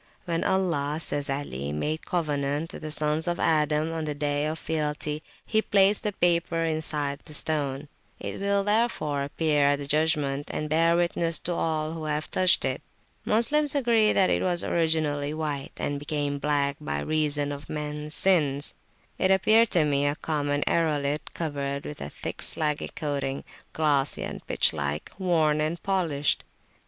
When Allah, says Ali, made covenant with the Sons of Adam on the Day of Fealty, he placed the paper inside the stone; it will, therefore, appear at the judgment, and bear witness to all who have touched it. Moslems agree that it was originally white, and became black by reason of mens sins. It appeared to me a common aerolite covered with a thick slaggy coating, glossy and pitch like, worn and polished.